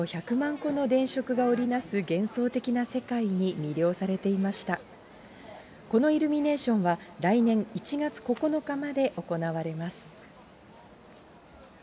このイルミネーションは、来年１月９日まで行われます。